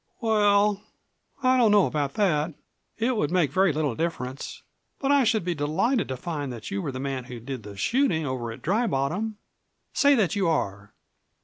"Well, I don't know about that. It would make very little difference. But I should be delighted to find that you were the man who did the shooting over at Dry Bottom. Say that you are!"